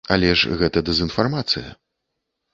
Але ж гэта дэзынфармацыя.